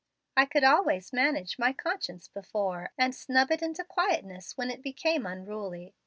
I could always manage my conscience before, and snub it into quietness when it became unruly.